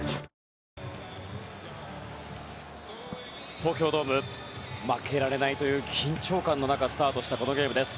東京ドーム負けられないという緊張感の中スタートしたこのゲームです。